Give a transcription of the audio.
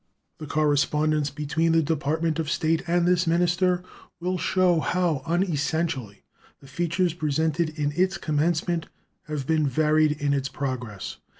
The correspondence between the Department of State and this minister will show how unessentially the features presented in its commencement have been varied in its progress.